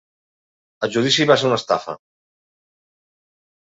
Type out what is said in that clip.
El judici va ser una estafa.